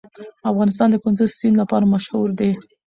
افغانستان د کندز سیند لپاره مشهور دی.